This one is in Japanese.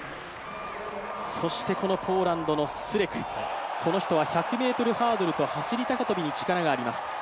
そしてこのポーランドのスレク、この人は１００ｍハードルと走高跳に力があります。